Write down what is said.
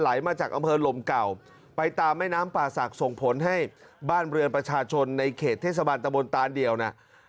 มาจากอำเภอลมเก่าไปตามแม่น้ำป่าศักดิ์ส่งผลให้บ้านเรือนประชาชนในเขตเทศบาลตะบนตานเดียวน่ะ